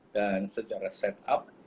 dan secara set up